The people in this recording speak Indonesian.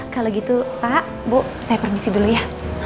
kalau gitu pak bu saya permisi dulu ya